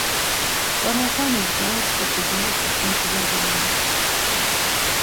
Tzanağanis na ep̌ç̌opi bilet̆is mutu var gamamixtu.